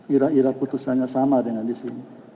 irah irah putusannya sama dengan disini